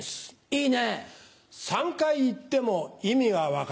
いいね！